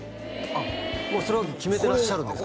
あっもうそれは決めてらっしゃるんですか？